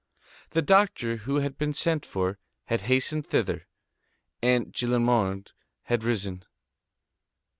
The doctor who had been sent for had hastened thither. Aunt Gillenormand had risen.